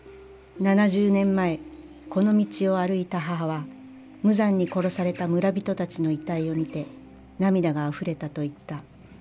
７０年前この道を歩いた母は無残に殺された村人たちの遺体を見て涙があふれたと言った。